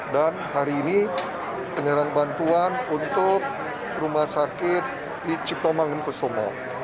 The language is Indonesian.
dan hari ini penyelenggaraan bantuan untuk rumah sakit di ciptoman dan kesomo